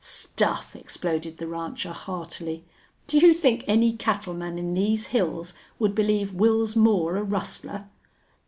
"Stuff!" exploded the rancher, heartily. "Do you think any cattleman in these hills would believe Wils Moore a rustler?"